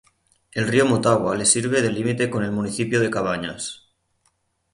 El río Motagua le sirve de límite con el municipio de Cabañas.